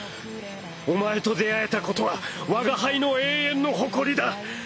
お前と出会えたことは我が輩の永遠の誇りだ。